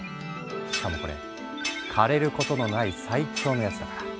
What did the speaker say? しかもこれかれることのない最強のヤツだから。